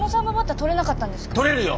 とれるよ！